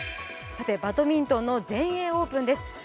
バドミントンの全英オープンです。